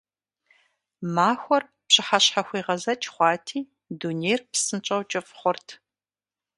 Махуэр пщыхьэщхьэ хуегъэзэкӀ хъуати, дунейр псынщӀэу кӀыфӀ хъурт.